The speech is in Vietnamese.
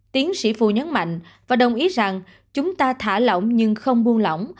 tiến sĩ phu nhấn mạnh và đồng ý rằng chúng ta thả lỏng nhưng không buông lỏng